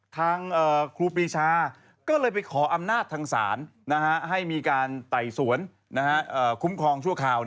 ครูปรีชาก็เลยไปขออำนาจทางศาลให้มีการไต่สวนคุ้มครองชั่วคราว